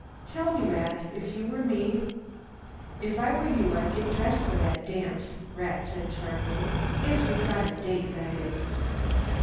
"Tell me, Rat. If you were me " "If I were you I'd get dressed for that dance," Rat said sharply. "If you've got a date, that is."